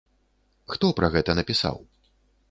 Хто пра гэта напісаў?